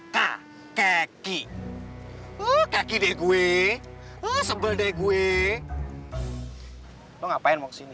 kaki kaki gue sebel deh gue ngapain mau sini